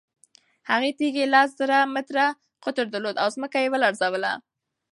هغې تیږې لس زره متره قطر درلود او ځمکه یې ولړزوله.